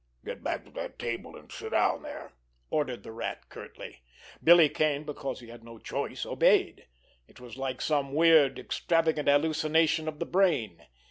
"Get back to that table, and sit down there!" ordered the Rat curtly. Billy Kane, because he had no choice, obeyed. It was like some weird, extravagant hallucination of the brain.